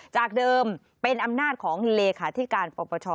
จากเดิมเป็นอำนาจของเลขาธิการปปช